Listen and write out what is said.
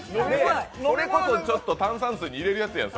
それこそ炭酸水に入れるやつやん